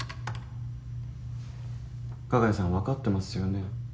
加賀谷さん分かってますよね？